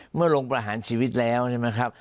เมื่อลงประหารชีวิตแล้วใช่ไหมครับ